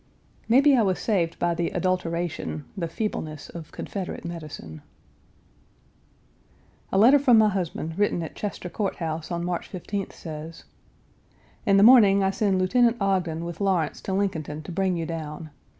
Maybe I was saved by the adulteration, the feebleness, of Confederate medicine. ........................................ A letter from my husband, written at Chester Court House on March 15th, says: "In the morning I send Lieut. Ogden with Lawrence to Lincolnton to bring you down.